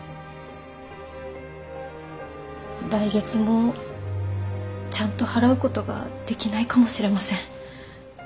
来月もちゃんと払うことができないかもしれません。